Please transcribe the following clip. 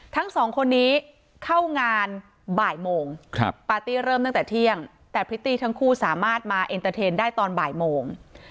ทั้งสองคนนี้เข้างานบ่ายโมงปาร์ตี้เริ่มตั้งแต่เที่ยงแต่พริตตี้ทั้งคู่สามารถมาเอ็นเตอร์เทนได้ตอนบ่ายโมง